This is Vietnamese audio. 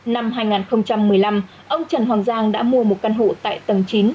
năm hai nghìn một mươi năm ông trần hoàng giang đã mua một căn hộ tại tầng chín